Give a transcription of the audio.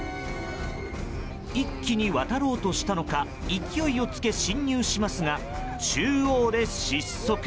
一気に渡ろうとしたのか勢いをつけ進入しますが中央で失速。